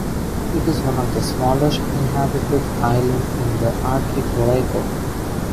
It is one of the smallest inhabited islands in the archipelago.